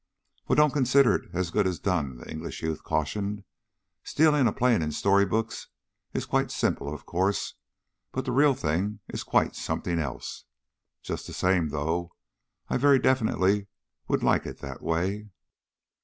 "Well, don't consider it as good as done," the English youth cautioned. "Stealing a plane in story books is quite simple, of course. But the real thing is quite something else. Just the same, though, I very definitely would like it that way."